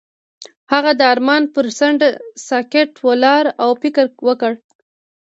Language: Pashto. هغه د آرمان پر څنډه ساکت ولاړ او فکر وکړ.